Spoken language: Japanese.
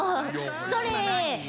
それ！